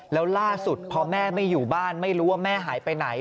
แล้วล่าสุดพอแม่ไม่อยู่บ้านไม่รู้ว่าแม่หายไปไหน